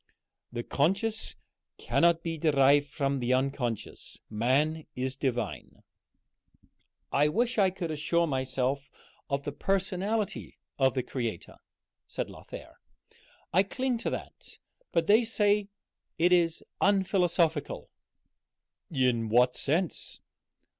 The conscious cannot be derived from the unconscious. Man is divine." "I wish I could assure myself of the personality of the Creator," said Lothair. "I cling to that, but they say it is unphilosophical." "In what sense?"